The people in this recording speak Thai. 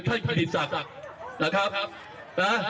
ท่านคิตศักดิ์นะครับ